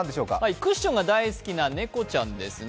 クッションが大好きな猫ちゃんですね。